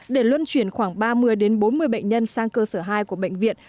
để luân chuyển khoảng ba mươi bốn mươi bệnh nhân sang cơ sở hai của bệnh viện